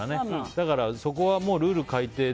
だからそこはルール改定で。